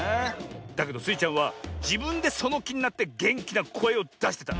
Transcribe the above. だけどスイちゃんはじぶんでそのきになってげんきなこえをだしてた。